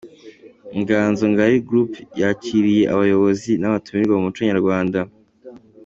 Inganzo Ngali group yakiriye abayobozi n’abatumirwa mu muco nyarwanda.